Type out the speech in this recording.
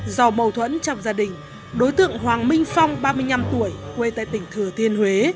do mâu thuẫn trong gia đình đối tượng hoàng minh phong ba mươi năm tuổi quê tại tỉnh thừa thiên huế